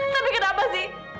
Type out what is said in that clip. tapi kenapa sih